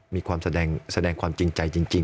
มีความแสดงความจริงใจจริง